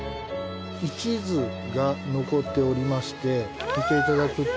位置図が残っておりまして見て頂くと。